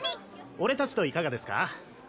俺達といかがですか？